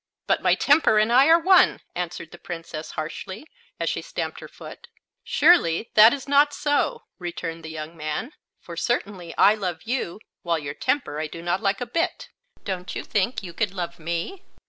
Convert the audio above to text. "But my temper and I are one," answered the Princess, harshly, as she stamped her foot. "Surely that is not so," returned the young man, "for certainly I love you, while your temper I do not like a bit. Don't you think you could love me?"